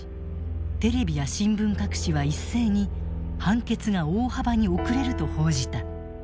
テレビや新聞各紙は一斉に判決が大幅に遅れると報じた。